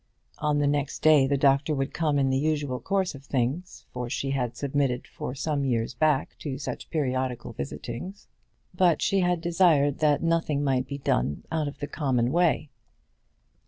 On the next day the doctor would come in the usual course of things, for she had submitted for some years back to such periodical visitings; but she had desired that nothing might be done out of the common way.